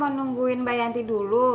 mau nungguin mbak yanti dulu